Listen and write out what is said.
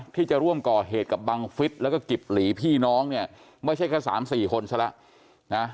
ที่จะร่วมก่อเหตุกับบังฟิศแล้วก็กิบหลีพี่น้องเนี่ยไม่ใช่แค่สามสี่คนซะแล้วนะ